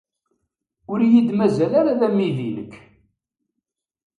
Ur iyi-d-mazal ara d amidi-nnek.